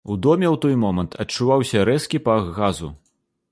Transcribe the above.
У доме ў той момант адчуваўся рэзкі пах газу.